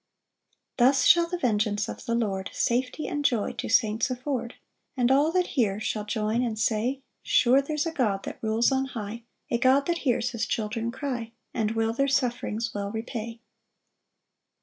6 Thus shall the vengeance of the Lord Safety and joy to saints afford; And all that hear shall join and say, "Sure there's a God that rules on high, "A God that hears his children cry, "And will their sufferings well repay."